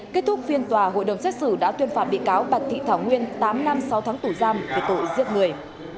kết thúc phiên tòa hội đồng xét xử đã tuyên phạt bị cáo bạch thị thảo nguyên tám năm sáu tháng tù giam về tội giết người